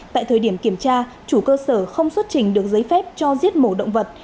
tại thời điểm kiểm tra chủ cơ sở không xuất trình được giấy phép cho giết mổ động vật